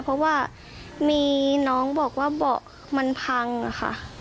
เพราะว่ามีน้องบอกว่าเบาะมันพังค่ะ